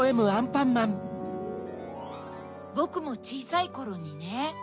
ボクもちいさいころにね。